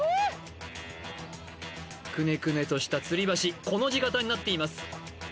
クネクネとした吊り橋コの字形になっています